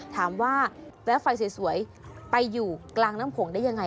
ถามว่าไฟสวยไปอยู่กลางแม่น้ำโขงได้อย่างไร